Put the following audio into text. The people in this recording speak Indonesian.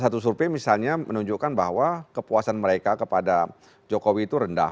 satu survei misalnya menunjukkan bahwa kepuasan mereka kepada jokowi itu rendah